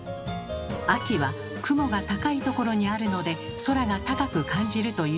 秋は雲が高いところにあるので空が高く感じるということなのです。